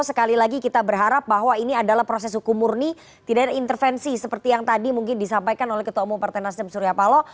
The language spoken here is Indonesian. sekali lagi kita berharap bahwa ini adalah proses hukum murni tidak ada intervensi seperti yang tadi mungkin disampaikan oleh ketua umum partai nasdem surya paloh